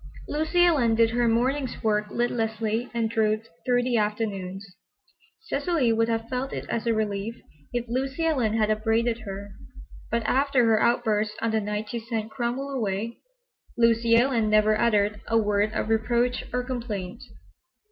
Lucy Ellen did her mornings' work listlessly and drooped through the afternoons. Cecily would have felt it as a relief if Lucy Ellen had upbraided her, but after her outburst on the night she sent Cromwell away, Lucy Ellen never uttered a word of reproach or complaint.